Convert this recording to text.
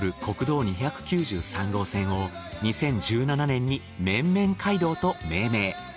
国道２９３号線を２０１７年にめんめん街道と命名。